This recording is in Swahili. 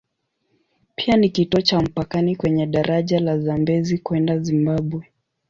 Pia ni kituo cha mpakani kwenye daraja la Zambezi kwenda Zimbabwe.